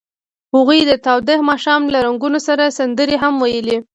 هغوی د تاوده ماښام له رنګونو سره سندرې هم ویلې.